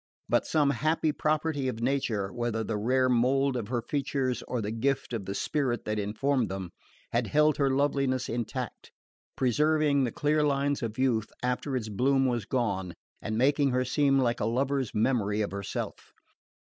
But some happy property of nature whether the rare mould of her features or the gift of the spirit that informed them had held her loveliness intact, preserving the clear lines of youth after its bloom was gone, and making her seem like a lover's memory of herself.